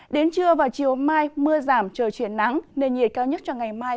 đến trưa và chiều mai mưa giảm trời chuyển nắng nền nhiệt cao nhất cho ngày mai